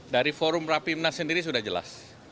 dari forum rapi munas sendiri sudah jelas